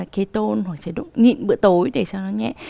cái tôn hoặc chế độ nhịn bữa tối để cho nó nhẹ